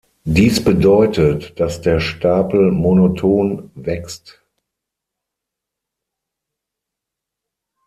Dies bedeutet, dass der Stapel monoton wächst.